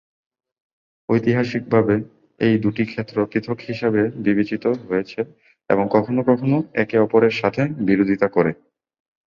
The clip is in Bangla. ঐতিহাসিকভাবে, এই দুটি ক্ষেত্র পৃথক হিসাবে বিবেচিত হয়েছে এবং কখনও কখনও একে অপরের সাথে বিরোধিতা করে।